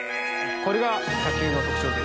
これが砂丘の特徴です。